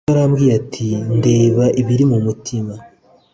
Yehova yaramubwiye ati ndeba ibiri mu mutima